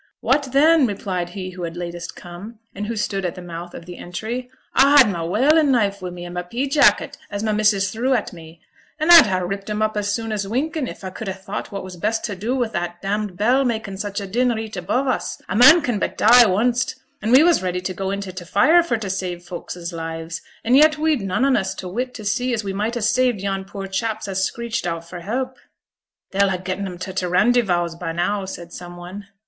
'What then!' replied he who had latest come, and who stood at the mouth of the entry. 'A had my whalin' knife wi' me i' my pea jacket as my missus threw at me, and a'd ha' ripped 'em up as soon as winkin', if a could ha' thought what was best to do wi' that d d bell makin' such a din reet above us. A man can but die onest, and we was ready to go int' t' fire for t' save folks' lives, and yet we'd none on us t' wit to see as we might ha' saved yon poor chaps as screeched out for help.' 'They'll ha' getten 'em to t' Randyvowse by now,' said some one.